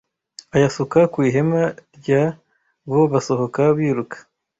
ayasuka ku ihema rya bo basohoka biruka